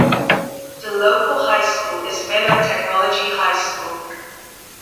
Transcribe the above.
The local high school is Miller Technology High School.